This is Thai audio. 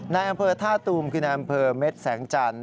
ในอำเภอธาตุอุ๋มคือในอำเภอเมชสังจรรย์